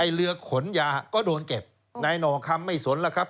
เรือขนยาก็โดนเก็บนายหน่อคำไม่สนแล้วครับ